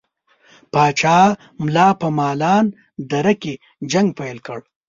پاچا ملا په مالان دره کې جنګ پیل کړي.